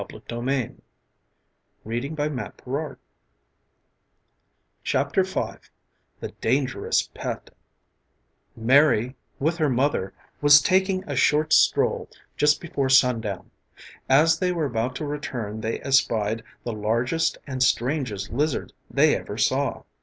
[Illustration: Twilight on the Desert] THE DANGEROUS PET MARY, with her mother, was taking a short stroll just before sundown. As they were about to return they espied the largest and strangest lizard they ever saw.